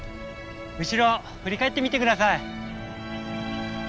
後ろ振り返ってみて下さい。